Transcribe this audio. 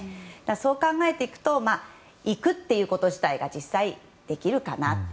そう考えていくと行くということ自体が実際、できるかなと。